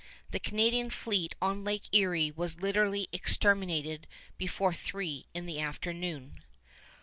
The Canadian fleet on Lake Erie was literally exterminated before three in the afternoon.